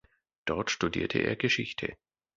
Dort studierte er Geschichte.